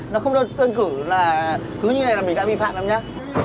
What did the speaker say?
nó không đơn cử là cứ như thế này là mình đã bị phạm em nhé